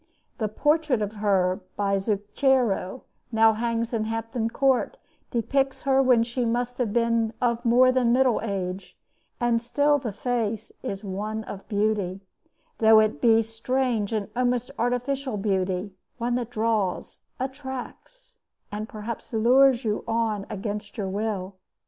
The portrait of her by Zucchero, which now hangs in Hampton Court, depicts her when she must have been of more than middle age; and still the face is one of beauty, though it be a strange and almost artificial beauty one that draws, attracts, and, perhaps, lures you on against your will.